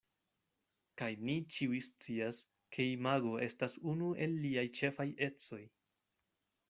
Kaj ni ĉiuj scias, ke imago estas unu el liaj ĉefaj ecoj.